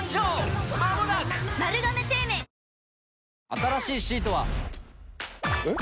新しいシートは。えっ？